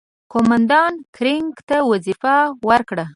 قوماندان کرېګ ته وظیفه ورکړه.